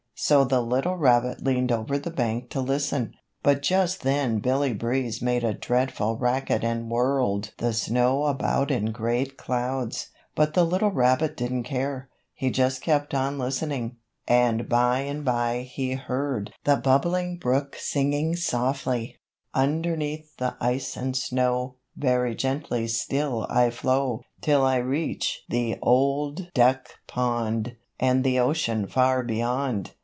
So the little rabbit leaned over the bank to listen, but just then Billy Breeze made a dreadful racket and whirled the snow about in great clouds. But the little rabbit didn't care; he just kept on listening, and by and by he heard the Bubbling Brook singing softly: "Underneath the ice and snow Very gently still I flow Till I reach the Old Duck Pond And the ocean far beyond.